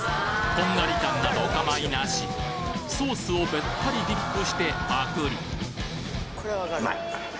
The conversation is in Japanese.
こんがり感などお構いなしソースをべったりディップしてパクり！